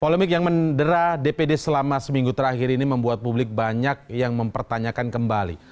polemik yang mendera dpd selama seminggu terakhir ini membuat publik banyak yang mempertanyakan kembali